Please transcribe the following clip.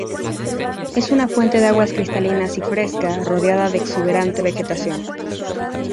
Es una fuente de aguas cristalinas y fresca rodeada de exuberante vegetación.